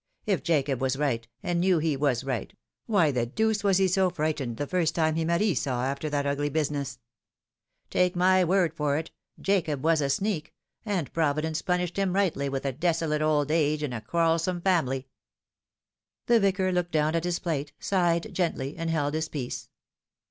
If Jacob was right, and knew he was right, why the deuce was he so frightened the first time he met Esau after that ugly business ? Take my word for it, Jacob was a sneak, and Pro vidence punished him rightly with a desolate old age and a quarrelsome family." The Vicar looked down at his plate, sighed gently, and held his peace.